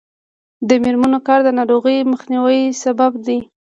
د میرمنو کار د ناروغیو مخنیوي سبب دی.